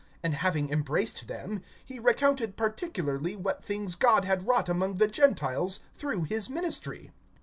(19)And having embraced them, he recounted particularly what things God had wrought among the Gentiles through his ministry.